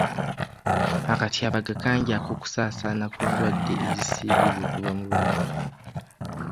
Akatyabaga kangi ak'okusaasaana kw'endwadde ezisiigibwa okuva ku bantu.